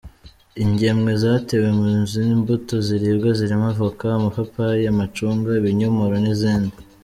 Ingemwe zatewe ni iz’imbuto ziribwa zirimo Avoka, amapapayi, amacunga, ibinyomoro n’izindi.